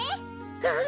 うん。